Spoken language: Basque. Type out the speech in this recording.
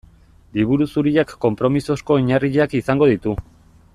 Liburu Zuriak konpromisozko oinarriak izango ditu.